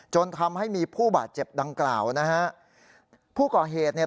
จนทำให้มีผู้บาดเจ็บดังกล่าวนะฮะผู้ก่อเหตุเนี่ย